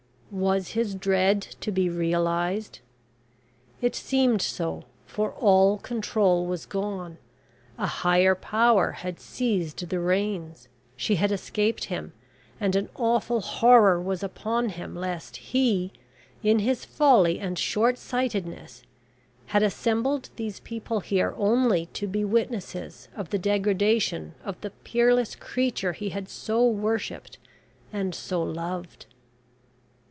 Was his dread to be realised? It seemed so, for all control was gone; a higher power had seized the reins. She had escaped him, and an awful horror was upon him lest he, in his folly and shortsightedness, had assembled these people here only to be witnesses of the degradation of the peerless creature he had so worshipped and so loved.